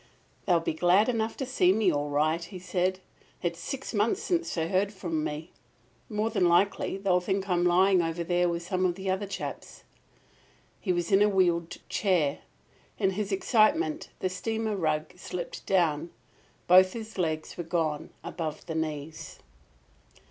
"They'll be glad enough to see me, all right," he said. "It's six months since they heard from me. More than likely they think I'm lying over there with some of the other chaps." He was in a wheeled chair. In his excitement the steamer rug slipped down. Both his legs were gone above the knees!